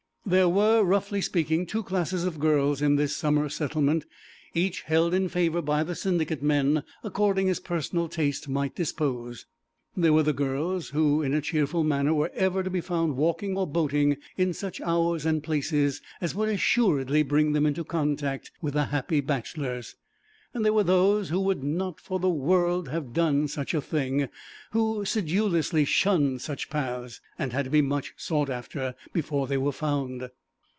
There were, roughly speaking, two classes of girls in this summer settlement, each held in favour by the Syndicate men according as personal taste might dispose. There were the girls who in a cheerful manner were ever to be found walking or boating in such hours and places as would assuredly bring them into contact with the happy bachelors, and there were those who would not 'for the world' have done such a thing, who sedulously shunned such paths, and had to be much sought after before they were found.